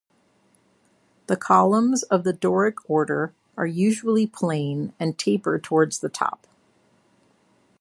The columns of the Doric order are usually plain and taper towards the top.